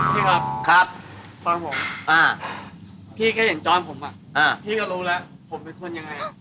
พี่ครับฟังผมอ่ะพี่แค่เห็นจอร์นผมอ่ะพี่ก็รู้แล้วผมเป็นคนยังไง